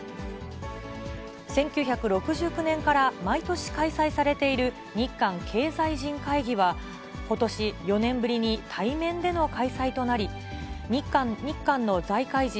１９６９年から毎年開催されている日韓経済人会議は、ことし、４年ぶりに対面での開催となり、日韓の財界人